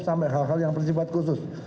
sampai hal hal yang bersifat khusus